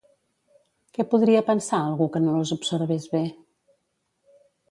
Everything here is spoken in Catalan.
Què podria pensar algú que no les observés bé?